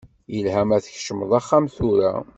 Yelha ma tkecmeḍ axxam tura.